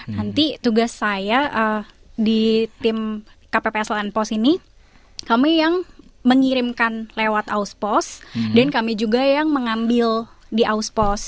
nanti tugas saya di tim kppson pos ini kami yang mengirimkan lewat aus pos dan kami juga yang mengambil di aus pos